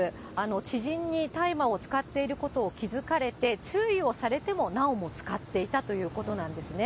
知人に大麻を使っていることを気付かれて、注意をされてもなおも使っていたということなんですね。